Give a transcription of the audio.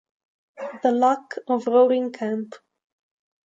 The Luck of Roaring Camp